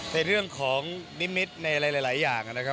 ในเรื่องของนิมิตรในหลายอย่างนะครับ